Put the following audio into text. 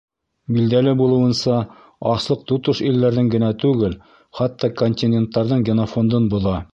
Билдәле булыуынса, аслыҡ тотош илдәрҙең генә түгел, хатта континенттарҙың генофондын боҙа.